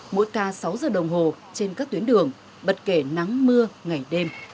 mỗi ca sáu giờ đồng hồ trên các tuyến đường bất kể nắng mưa ngày đêm